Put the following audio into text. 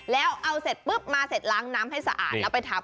แล้วเอาเสร็จปุ๊บมาเสร็จล้างน้ำให้สะอาดแล้วไปทำ